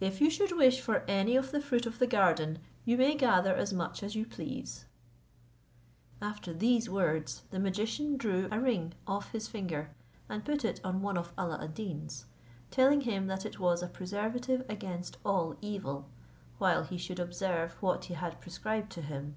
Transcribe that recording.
If you should wish for any of the fruit of the garden, you may gather as much as you please." After these words, the magician drew a ring off his finger, and put it on one of Alla ad Deen's, telling him that it was a preservative against all evil, while he should observe what he had prescribed to him.